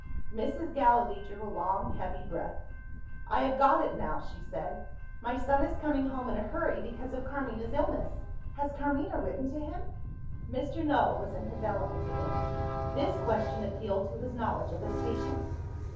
Mrs. Gallilee drew a long heavy breath. "I have got it now," she said. "My son is coming home in a hurry because of Carmina's illness. Has Carmina written to him?" Mr. Null was in his element again: this question appealed to his knowledge of his patient.